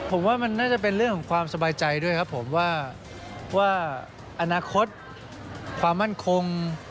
ผมว่ามันน่าจะเป็นเรื่องของความสบายใจด้วยครับผมว่าอนาคตความมั่นคง